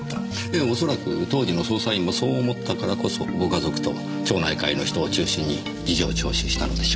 ええおそらく当時の捜査員もそう思ったからこそご家族と町内会の人を中心に事情聴取したのでしょう。